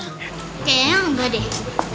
kayaknya enggak deh